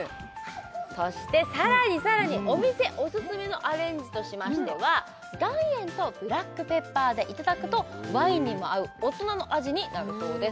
そしてさらにさらにお店オススメのアレンジとしましては岩塩とブラックペッパーでいただくとワインにも合う大人の味になるそうです